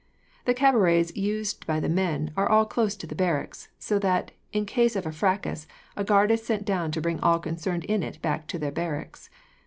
The cabarets used by the men are all close to the barracks, so that, in case of a fracas, a guard is sent down to bring all concerned in it back to the barracks.